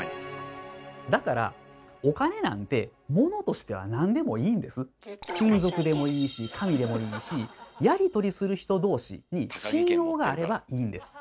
だから金属でもいいし紙でもいいしやりとりする人同士に信用があればいいんです。